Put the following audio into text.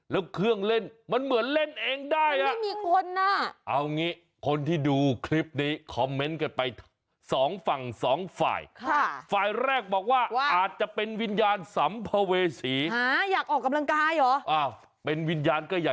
แล้วเครื่องเล่นมันเหมือนเล่นเองได้อ่ะ